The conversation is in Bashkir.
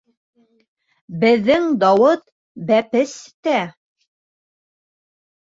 Беҙҙең Дауыт бәпес тә.